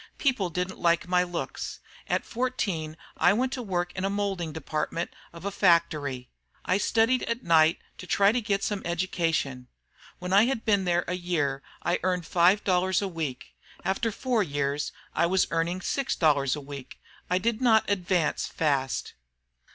People didn't like my looks. At fourteen I went to work in the moulding department of a factory. I studied at night to try to get some education. When I had been there a year I earned five dollars a week. After four years I was earning six dollars. I did not advance fast."